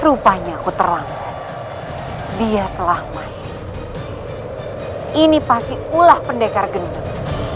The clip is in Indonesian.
rupanya aku terlambat dia telah mati ini pasti ulah pendekar gendeng